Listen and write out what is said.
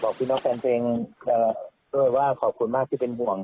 บอกพี่น้องแฟนเองว่าขอบคุณมากที่เป็นห่วง